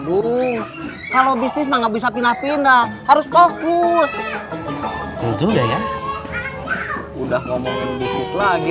dulu kalau bisnisnya nggak bisa pindah pindah harus fokus itu udah ya udah ngomong lagi